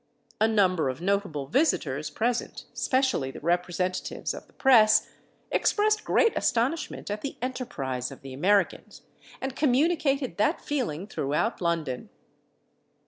A number of notable visitors present, especially the representatives of the press, expressed great astonishment at the enterprise of the Americans, and communicated that feeling throughout London.